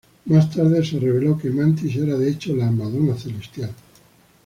Más tarde se reveló que Mantis era, de hecho, la "Madonna celestial".